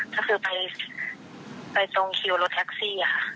ก็คือไปตรงคิวรถแท็กซี่ค่ะ